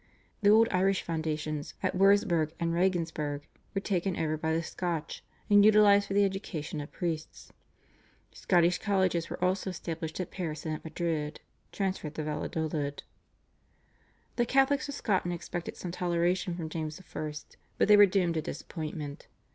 The old Irish foundations at Würzburg and Regensburg were taken over by the Scotch, and utilised for the education of priests. Scottish colleges were also established at Paris and at Madrid (transferred to Valladolid). The Catholics of Scotland expected some toleration from James I., but they were doomed to disappointment.